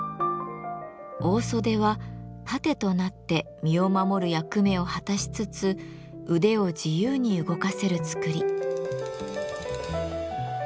大袖は盾となって身を守る役目を果たしつつ腕を自由に動かせる作り。